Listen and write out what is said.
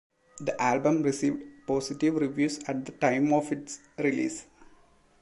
The album received positive reviews at the time of its release.